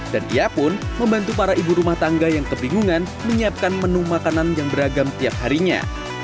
dan ia pun membantu para ibu rumah tangga yang kebingungan menyiapkan menu makanan yang beragam tiap harinya